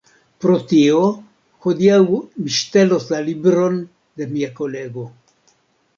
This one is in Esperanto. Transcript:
Pro tio, hodiaŭ mi ŝtelos la libron de mia kolego